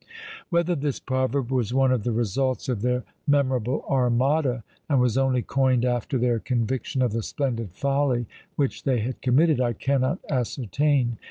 Whether this proverb was one of the results of their memorable armada, and was only coined after their conviction of the splendid folly which they had committed, I cannot ascertain.